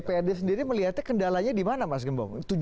dprd sendiri melihatnya kendalanya dimana mas gembong